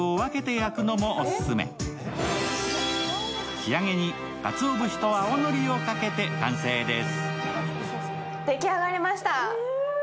仕上げにかつお節と青のりをかけて完成です。